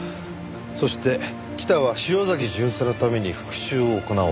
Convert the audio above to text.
そして北は潮崎巡査のために復讐を行おうとしている。